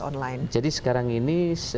online jadi sekarang ini